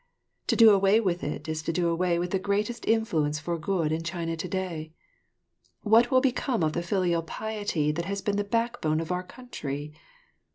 To do away with it is to do away with the greatest influence for good in China to day. What will become of the filial piety that has been the backbone of our country?